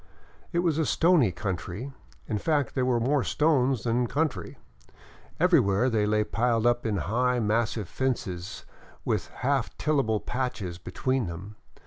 It was a stony country, in fact there were more stones than country. Everywhere they lay piled up in high mas sive fences with half tillable patches between them.